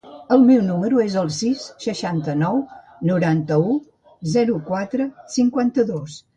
El meu número es el sis, seixanta-nou, noranta-u, zero, quatre, cinquanta-dos.